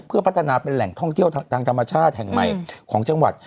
เพื่อพัฒนาเป็นแหล่งท่องเที่ยวทางธรรมชาติแห่งใหม่ของจังหวัด